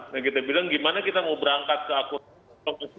nah kita bilang gimana kita mau berangkat ke akun